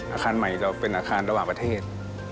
อาคารใหม่เราเป็นอาคารระหว่างประเทศ